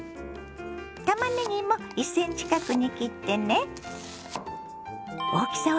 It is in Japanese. たまねぎも１ｃｍ角に切ってね。